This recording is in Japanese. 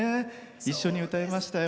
一緒に歌いましたよ。